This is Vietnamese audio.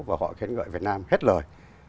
và họ khén gợi việt nam hết lời